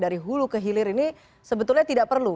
dari hulu ke hilir ini sebetulnya tidak perlu